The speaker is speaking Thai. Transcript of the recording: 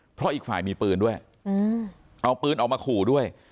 เพราะอีกฝ่ายมีปืนด้วยเอาปืนออกมาขู่ด้วย